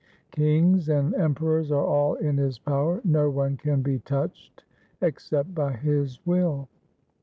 Kings and emperors are all in His power. No one can be touched except by His will.'